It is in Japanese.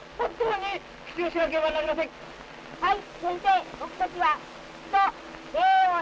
はい！